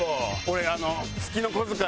俺。